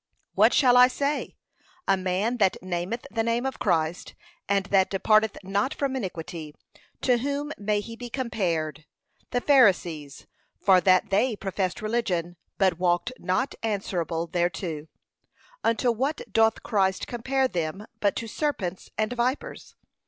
What shall I say? A man that nameth the name of Christ, and that departeth not from iniquity, to whom may he be compared? The Pharisees, for that they professed religion, but walked not answerable thereto, unto what doth Christ compare them but to serpents and vipers?